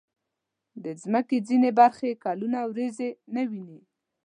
د مځکې ځینې برخې کلونه وریځې نه ویني.